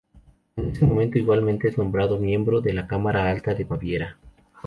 En ese momento, igualmente, es nombrado miembro de la cámara alta de Baviera.